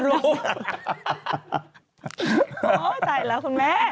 เข้าใจแล้วคุณแม่